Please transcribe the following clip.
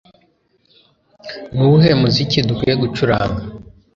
Ni uwuhe muziki dukwiye gucuranga